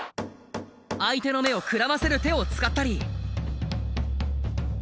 相手の目をくらませる手を使ったり。